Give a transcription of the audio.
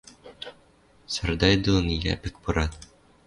Сардай дон Йӓпӹк пырат.